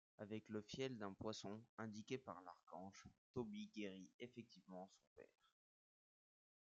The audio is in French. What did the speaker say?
Avec le fiel d'un poisson, indiqué par l'archange, Tobie guérit effectivement son père.